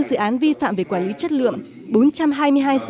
năm bốn dự án vi phạm về quy định về thủ tục đầu tư